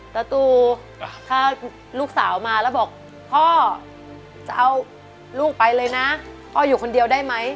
ตะตูถ้าลูกสาวมาแล้วบอกพ่อจะเอาลูกไปเลยนะพ่ออยู่คนเดียวได้ไหม